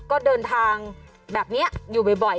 ก็เดินทางแบบนี้อยู่บ่อย